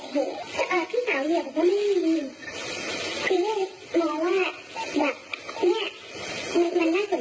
โดยที่ให้คนเขาไม่ทำผิดนาน